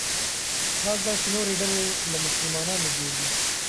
حال دا چې نورې ډلې له مسلمانانو جوړ وي.